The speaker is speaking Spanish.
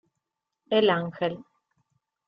El Ángel.